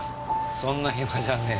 そんな暇じゃねえよ。